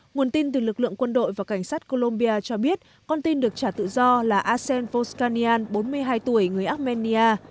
nguồn tin từ lực lượng quân đội và cảnh sát colombia cho biết con tin được trả tự do là asen foscanyan bốn mươi hai tuổi người armenia